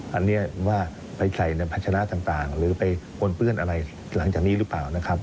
อันนี้ว่าไปใส่ในพัชนะต่างหรือไปปนเปื้อนอะไรหลังจากนี้หรือเปล่านะครับ